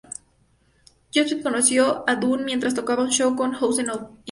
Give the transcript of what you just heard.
Joseph conoció a Dun mientras tocaba un show con House of Heroes.